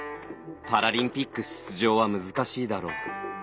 パラリンピック出場は難しいだろう